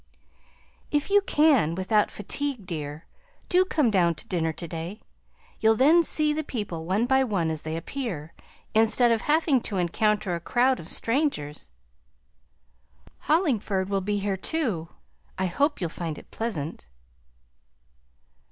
"If you can without fatigue, dear, do come down to dinner to day; you'll then see the people one by one as they appear, instead of having to encounter a crowd of strangers. Hollingford will be here too. I hope you'll find it pleasant."